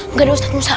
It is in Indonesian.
enggak ada ustadz musa